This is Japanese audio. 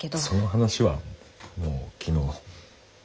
その話はもう昨日。